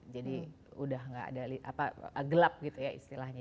jadi sudah gelap gitu ya istilahnya